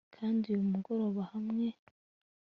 kandi uyu murongo hamwe